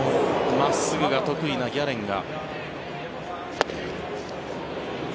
真っすぐが得意なギャレンが。